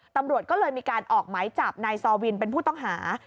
ตำรวจก็เลยมีการออกไหมจับนายซอวินเป็นผู้ต้องหา